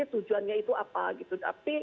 tujuannya itu apa gitu tapi